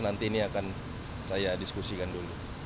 nanti ini akan saya diskusikan dulu